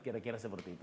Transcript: kira kira seperti itu